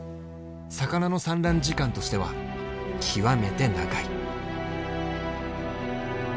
魚の産卵時間としては極めて長い。